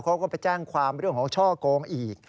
เขาก็ไปแจ้งความเรื่องของช่อโกงอีก